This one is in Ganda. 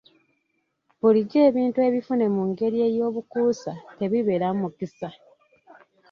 Bulijjo ebintu ebifune mu ngeri ey'obukuusa tebibeeramu mukisa.